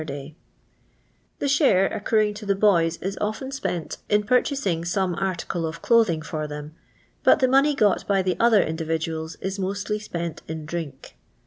M. „ The shaie accruing to the boys is often spent in purchasing some article of clothing for them, but the money got by the other individuab is mostly spent in drink.